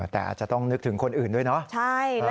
แต่อาจจะต้องนึกถึงคนอื่นด้วยเนาะ